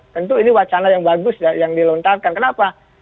tentu ini wacana yang bagus yang dilontarkan kenapa